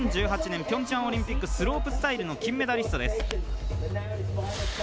２０１８年ピョンチャンオリンピックスロープスタイルの金メダリストです。